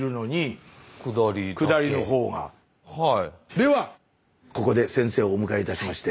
ではここで先生をお迎えいたしまして。